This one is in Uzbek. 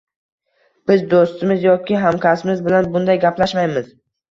Biz do‘stimiz yoki hamkasbimiz bilan bunday gaplashmaymiz.